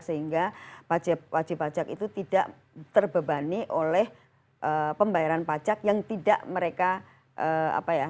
sehingga wajib pajak itu tidak terbebani oleh pembayaran pajak yang tidak mereka apa ya